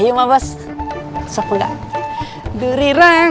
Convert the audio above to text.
sumpah nah jangan dukung dukung